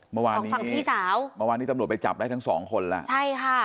ฝั่งพี่สาวเมื่อวานนี้ตำลวดไปจับได้ทั้งสองคนแล้วใช่ค่ะ